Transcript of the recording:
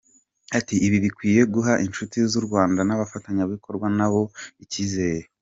Ati “Ibi bikwiye guha inshuti z’u Rwanda n’abafatanyabikorwa na bo icyizere.